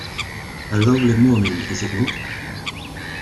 A lovely morning, is it not?